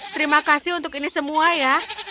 terima kasih untuk ini semua ya